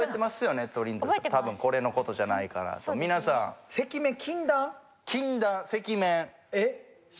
多分これのことじゃないかなと皆さん赤面禁断？